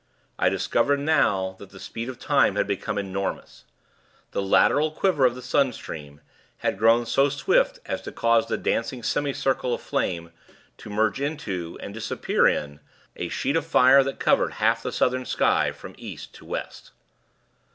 I discovered, now, that the speed of time had become enormous. The lateral quiver of the sun stream, had grown so swift as to cause the dancing semi circle of flame to merge into, and disappear in, a sheet of fire that covered half the Southern sky from East to West.